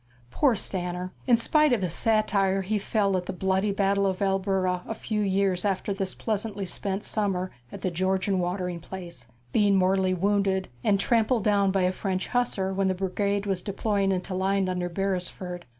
Poor Stanner! In spite of his satire, he fell at the bloody battle of Albuera a few years after this pleasantly spent summer at the Georgian watering place, being mortally wounded and trampled down by a French hussar when the brigade was deploying into line under Beresford.